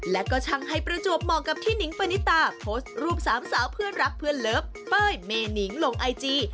และก็ช่างให้ประจวบเหมาะกับที่หนิงปณิตาโพสต์รูปสามสาวเพื่อนรักเพื่อนเลิฟเป้ยเมนิงลงไอจี